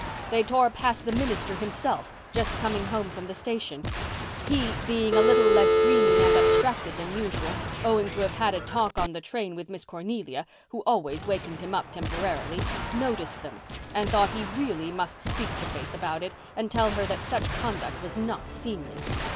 They tore past the minister himself, just coming home from the station; he, being a little less dreamy and abstracted than usual—owing to having had a talk on the train with Miss Cornelia who always wakened him up temporarily—noticed them, and thought he really must speak to Faith about it and tell her that such conduct was not seemly.